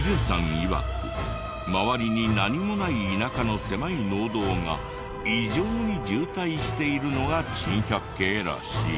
いわく周りに何もない田舎の狭い農道が異常に渋滞しているのが珍百景らしい。